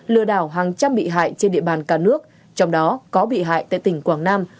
lừa đảo hàng trăm bị hại trên địa bàn cả nước trong đó có bị hại tại tỉnh quảng nam